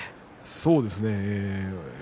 そうですね。